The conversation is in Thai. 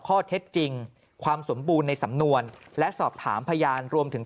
ข้อเท็จจริงความสมบูรณ์ในสำนวนและสอบถามพยานรวมถึง